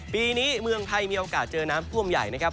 ปีนี้เมืองไทยมีโอกาสเจอน้ำท่วมใหญ่นะครับ